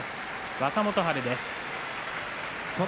若元春です。